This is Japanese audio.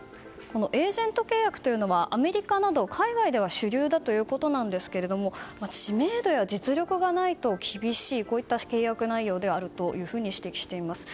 エージェント契約というのはアメリカなど海外では主流だということなんですが知名度や実力がないと厳しいこういった契約内容であると指摘しています。